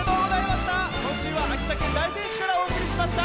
今週は秋田県大仙市からお送りしました。